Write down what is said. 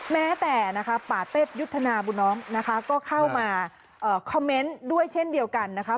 แม้แต่นะคะปาเต็ดยุทธนาบุน้องนะคะก็เข้ามาคอมเมนต์ด้วยเช่นเดียวกันนะคะ